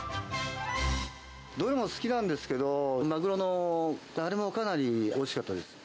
どれも好きなんですけど、マグロの、あれもかなりおいしかったです。